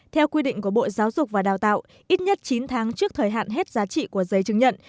theo quy định của bộ giáo dục và đào tạo ít nhất chín tháng trước thời hạn hết giá trị của giấy chứng nhận